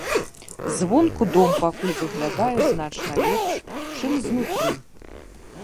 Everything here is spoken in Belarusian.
Звонку дом пакуль выглядае значна лепш, чым знутры.